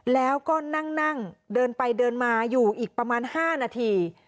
แล้วก็นั่งเดินไปเดินมาอยู่อีกประมาณ๕นาที